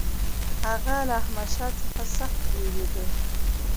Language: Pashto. هغه له احمدشاه څخه سخت وېرېدی.